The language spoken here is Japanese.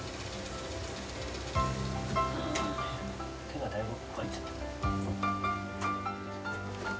手がだいぶ。